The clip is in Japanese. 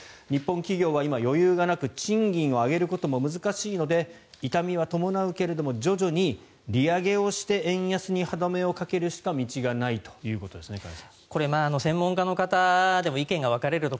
日本企業は今、余裕がなく賃金を上げることも難しいので痛みは伴うけども徐々に利上げをして円安に歯止めをかけるしか道がないということですね。